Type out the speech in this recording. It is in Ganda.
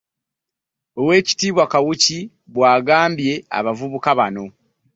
Oweekitiibwa Kawuki bw'agambye abavubuka bano